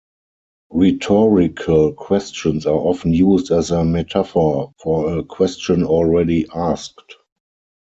Rhetorical questions are often used as a metaphor for a question already asked.